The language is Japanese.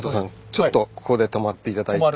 ちょっとここで止まって頂いて。